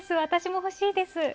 私も欲しいです。